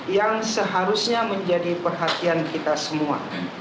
yang seharusnya menjadi perhatian kita semua